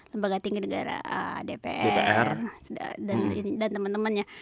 lembaga tinggi negara dpr dan teman temannya